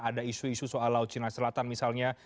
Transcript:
ada isu isu soal laut cina selatan misalnya